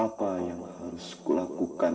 apa yang harus kulakukan